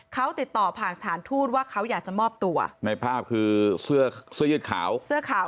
เขาติดต่อผ่านสถานทูตว่าเขาอยากจะมอบตัวในภาพคือเสื้อเสื้อยืดขาวเสื้อขาว